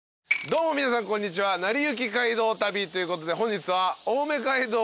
どうも皆さんこんにちは『なりゆき街道旅』ということで本日は。